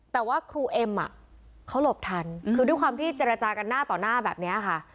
แต่ว่าครูเอ็มอ่ะเขาหลบทันคือด้วยความที่เจรจากันหน้าต่อหน้าแบบนี้ค่ะ